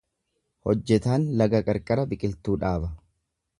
Hojjetaan laga qarqara biqiltuu dhaaba.